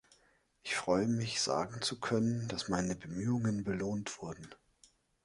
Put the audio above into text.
Ich freue mich sagen zu können, dass meine Bemühungen belohnt wurden.